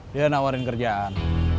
dia nawarin kerjaan